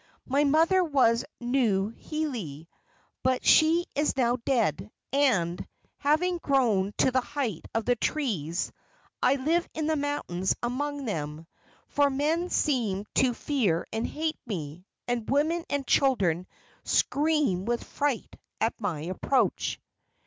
"My mother was Nuuheli; but she is now dead, and, having grown to the height of the trees, I live in the mountains among them, for men seem to fear and hate me, and women and children scream with fright at my approach."